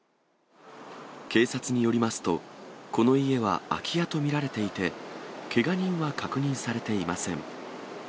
警察によりますと、この家は空き家と見られていて、けが人は確認されていません。